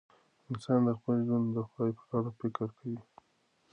انسان د خپل ژوند د پای په اړه فکر کوي.